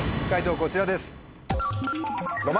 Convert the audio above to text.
解答こちらです。